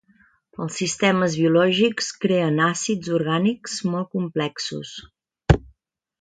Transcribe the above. Els sistemes biològics creen àcids orgànics molt complexos.